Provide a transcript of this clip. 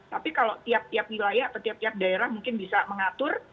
tapi kalau tiap tiap wilayah atau tiap tiap daerah mungkin bisa mengatur